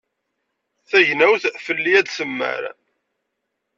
Tagnawt fell-i ad temmar.